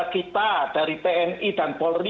kita dari tni dan polri